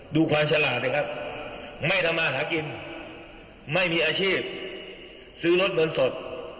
ดูความฉลาดนะครับไม่ทำมาหากินไม่มีอาชีพซื้อรถเงินสด